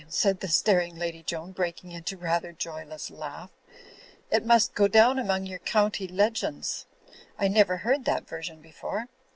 '* said the staring Lady Joan, breaking into a rather joyless laugh^ "It must go down among your county legends. I never heard that version before.